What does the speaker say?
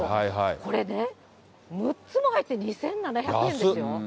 これね、６つも入って２７００円ですよ。